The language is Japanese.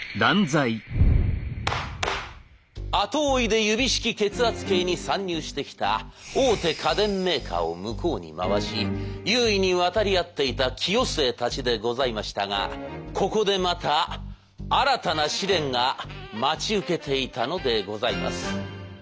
後追いで指式血圧計に参入してきた大手家電メーカーを向こうに回し優位に渡り合っていた清末たちでございましたがここでまた新たな試練が待ち受けていたのでございます。